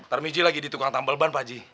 tarbiji lagi di tukang tambel ban pak ji